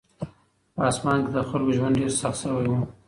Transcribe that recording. په اصفهان کې د خلکو ژوند ډېر سخت شوی و.